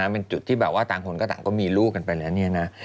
เป็นจุดที่แบบว่าต่างคนก็ต่างก็มีลูกกันไปแล้วเนี่ยนะ